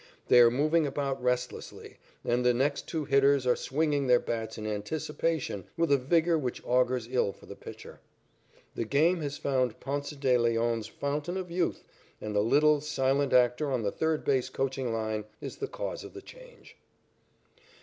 They are moving about restlessly, and the next two hitters are swinging their bats in anticipation with a vigor which augurs ill for the pitcher. The game has found Ponce de Leon's fountain of youth, and the little, silent actor on the third base coaching line is the cause of the change.